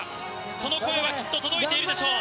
その声はきっと届いているでしょう。